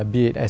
tôi đã ở đây